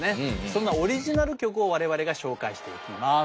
そんなオリジナル曲を我々が紹介していきます。